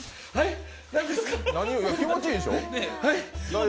気持ちいいでしょう？